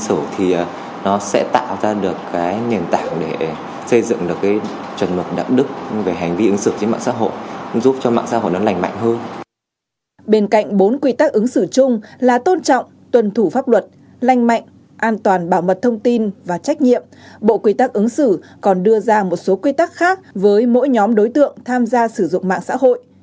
ứng xử còn đưa ra một số quy tắc khác với mỗi nhóm đối tượng tham gia sử dụng mạng xã hội